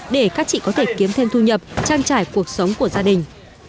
để các chị có thể kiếm thêm thu nhập trang trải cuộc sống của gia đình